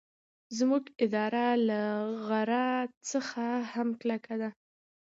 زموږ اراده له غره څخه هم کلکه ده.